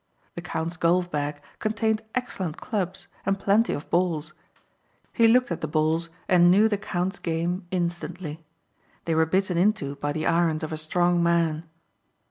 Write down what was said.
The count's golf bag contained excellent clubs and plenty of balls. He looked at the balls and knew the count's game instantly. They were bitten into by the irons of a strong man.